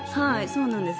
そうなんです。